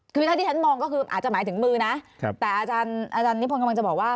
คือถ้าที่ฉันมองก็คืออาจจะหมายถึงมือนะแต่อาจารย์นิพนธ์กำลังจะบอกว่า